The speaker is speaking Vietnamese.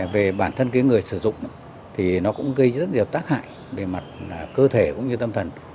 về bản thân cái người sử dụng thì nó cũng gây rất nhiều tác hại về mặt cơ thể cũng như tâm thần